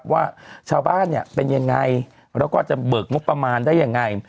ว่าชาวบ้านเนี่ยเป็นยังไงแล้วก็จะเบิกงบประมาณได้ยังไง